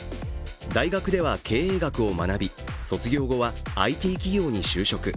大学では経営学を学び卒業後は、ＩＴ企業に就職。